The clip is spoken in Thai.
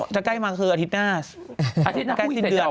จะใกล้มาคืออาทิตย์หน้า